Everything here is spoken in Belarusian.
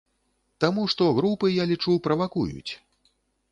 Таму што групы, я лічу, правакуюць.